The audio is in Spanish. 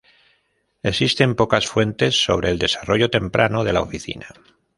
Existen pocas fuentes sobre el desarrollo temprano de la oficina.